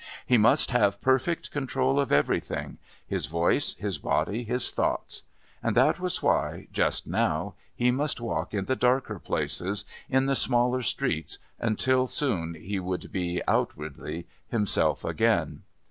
He must have perfect control of everything his voice, his body, his thoughts. And that was why, just now, he must walk in the darker places, in the smaller streets, until soon he would be, outwardly, himself again.